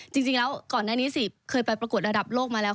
จริงแล้วก่อนหน้านี้สิเคยไปประกวดระดับโลกมาแล้ว